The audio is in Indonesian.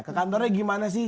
ke kantornya gimana sih